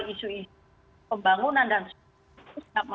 isu isu pembangunan dan sebagainya